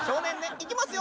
いきますよ